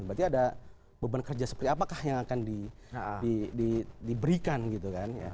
berarti ada beban kerja seperti apakah yang akan diberikan gitu kan